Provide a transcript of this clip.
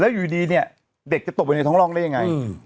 อยู่ดีเนี่ยเด็กจะตกไปในท้องร่องได้ยังไง